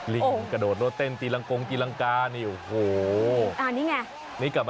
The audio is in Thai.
วิ่งกระโดดโลดเต้นปีตีล่างก๊องตีล่างก๊ารังกากระตู